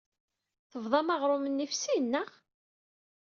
Tebḍam aɣrum-nni ɣef sin, naɣ?